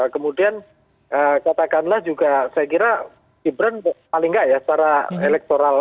kemudian katakanlah juga saya kira gibran paling nggak ya secara elektoral